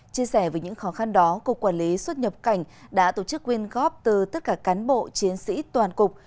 chia sẻ về những khó khăn đó cục quản lý xuất nhập cảnh đã tổ chức quyên góp từ tất cả cán bộ chiến sĩ toàn cục